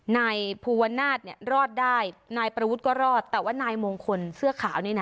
นายภูวนาศเนี่ยรอดได้นายประวุฒิก็รอดแต่ว่านายมงคลเสื้อขาวนี่นะ